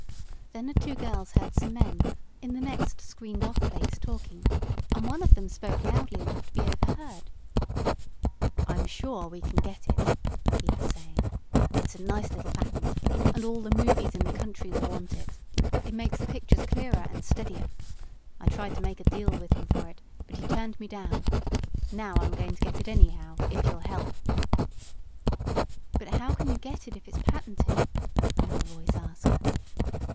Then the two girls heard some men in the next screened off place talking, and one of them spoke loudly enough to be overheard. "I'm sure we can get it," he was saying. "It's a nice little patent, and all the movies in the country will want it. It makes the pictures clearer and steadier. I tried to make a deal with him for it, but he turned me down. Now I'm going to get it anyhow, if you'll help." "But how can you get it if it's patented?" another voice asked.